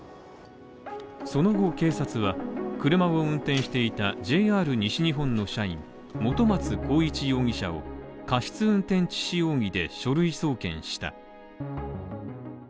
その後警察は車を運転していたＪＲ西日本の社員本松宏一容疑者を過失運転致死容疑で書類送検した。